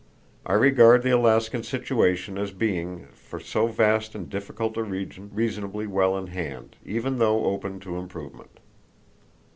I regard the Alaskan situation as being, for so vast and difficult a region, reasonably well in hand, even though open to improvement.